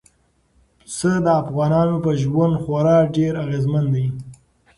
پسه د افغانانو په ژوند خورا ډېر اغېزمن دی.